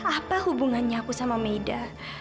apa hubungannya aku sama maida